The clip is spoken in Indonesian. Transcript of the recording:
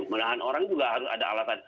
menahan orang juga harus ada alasan